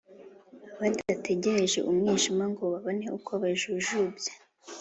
Badategereje umwijima ngo babone uko bajujubya.